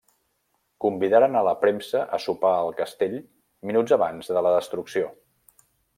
Convidaren a la premsa a sopar al castell minuts abans de la destrucció.